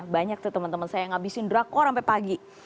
banyak tuh teman teman saya yang ngabisin drakor sampai pagi